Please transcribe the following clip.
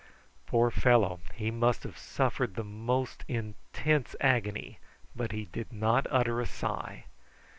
Poor fellow, he must have suffered the most intense agony, but he did not utter a sigh.